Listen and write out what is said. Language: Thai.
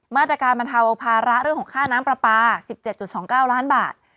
มาตรการบรรเทาภาระเรื่องของค่าน้ำปลาปลา๑๗๒๙ล้านบาท